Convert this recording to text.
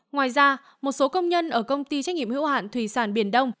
ngoài ra một số công nhân ở công ty trách nhiệm hữu hạn thủy sản biển đông